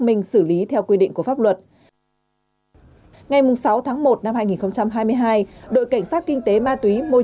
minh xử lý theo quy định của pháp luật ngày sáu tháng một năm hai nghìn hai mươi hai đội cảnh sát kinh tế ma túy môi